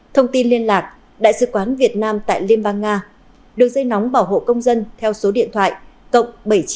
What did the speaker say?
thông tin liên lạc đại sứ quán việt nam tại liên bang nga đưa dây nóng bảo hộ công dân theo số điện thoại cộng bảy mươi chín một trăm sáu mươi sáu tám mươi hai một nghìn sáu trăm một mươi bảy